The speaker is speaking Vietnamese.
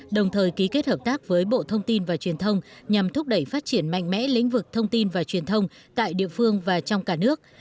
đồng thời ký kết hợp tác với bộ thông tin và truyền thông nhằm thúc đẩy phát triển mạnh mẽ lĩnh vực thông tin và truyền thông tại địa phương và trong cả nước